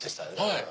はい！